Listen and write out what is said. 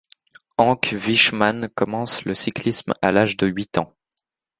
Anke Wichmann commence le cyclisme à l'âge de huit ans.